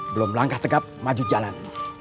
belum langkah tegap maju jalan